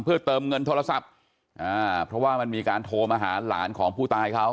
เพื่อเติมเงินโทรศัพท์อ่าเพราะว่ามันมีการโทรมาหาหลานของผู้ตายเขา